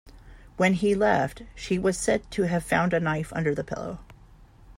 When he left, she was said to have found a knife under the pillow.